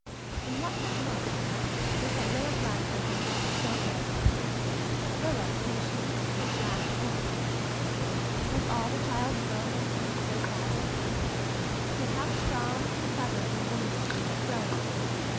And what hurt most was that Rilla's laughter had grown so rare Rilla whom she used to think laughed over much. Was all the child's girlhood to be so clouded? Yet how strong and clever and womanly she was growing!